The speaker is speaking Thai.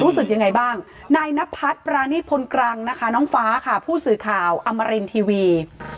รู้สึกยังไงบ้างนายนพัฒน์ปรานีตพลกรังนะคะน้องฟ้าค่ะผู้สื่อข่าวอมรินทีวี